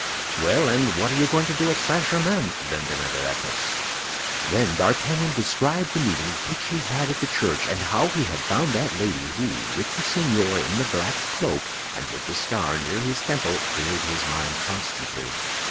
"Well, and what are you going to do at St. Germain?" then demanded Athos. Then D'Artagnan described the meeting which he had at the church, and how he had found that lady who, with the seigneur in the black cloak and with the scar near his temple, filled his mind constantly.